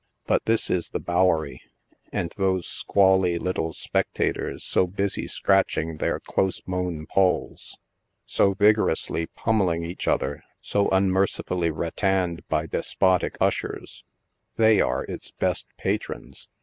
But this is the " Bowery," and those squally little specta tors so busy scratching their close mown polls, so vigorously pum melling each other, so unmercifully rattaned by despotic ushers they are its best patrons.